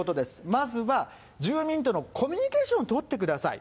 まずは住民とのコミュニケーションを取ってください。